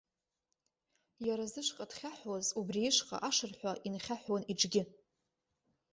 Иара зышҟа дхьаҳәуаз, убри ишҟа ашырҳәа инхьаҳәуан иҽгьы.